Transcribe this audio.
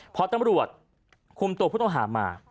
พอตำรวจคุมตัวผู้ต้องหามา